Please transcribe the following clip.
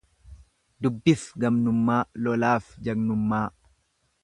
Dubbif gamnummaa, lolaaf jagnummaa.